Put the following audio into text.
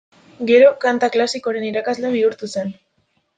Gero kanta klasikoaren irakasle bihurtu zen.